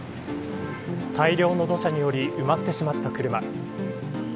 大量の土砂により埋まってしまった車。